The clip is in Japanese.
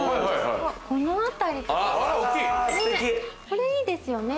これいいですよね